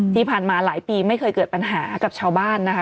ที่ผ่านมาหลายปีไม่เคยเกิดปัญหากับชาวบ้านนะคะ